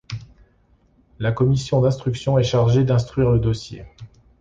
La commission d’instruction est chargée d’instruire le dossier.